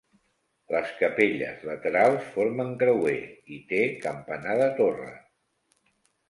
Les capelles laterals formen creuer, i té campanar de torre.